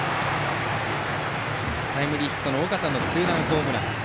タイムリーヒットの尾形のツーランホームラン。